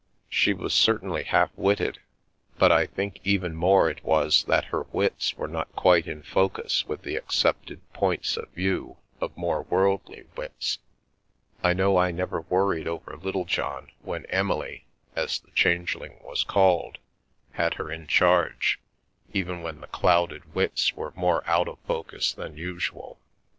She was certainly half witted, but I think even more it was that her wits were not quite in focus with the accepted points of view of more worldly wits — I know I never worried over Littlejohn when Emily, as the Changeling was called, had her in charge, even when the clouded wits were more out of focus than usual.